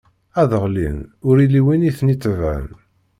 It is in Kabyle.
Ad ɣellin ur illi win i ten-id-itebɛen.